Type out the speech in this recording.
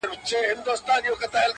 هر ستمګر ته د اغزیو وطن!!